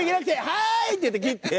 はーい」って言って切って。